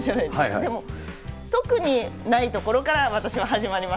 でも、特にないところから私は始まります。